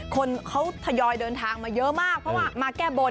คนเขาถยอยเดินทางมาเยอะมากมาแก้บน